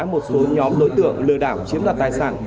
một số nhóm đối tượng lừa đảo chiếm đoạt tài sản